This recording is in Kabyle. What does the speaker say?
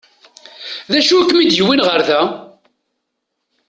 D acu i kem-id-yewwin ɣer da?